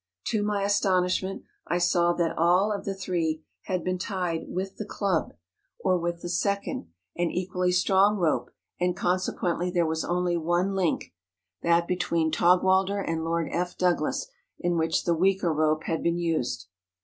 To my astonishment, I saw that all of the three had been tied with the Club, 108 MOUNTAIN ADVENTURES. or with the second, and equally strong, rope, and consequently there was only one link, that between Taugwalder and Lord F. Douglas, in which the weaker rope had been used.